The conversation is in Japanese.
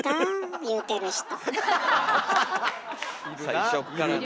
最初っからね。